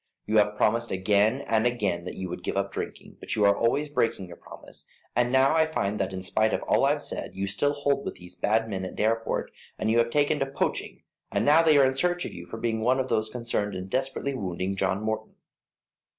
You have promised again and again that you would give up drinking, but you are always breaking your promise, and now I find that in spite of all I've said, you still hold with those bad men at Dareport, and that you have taken to poaching, and now they are in search of you for being one of those concerned in desperately wounding John Morton.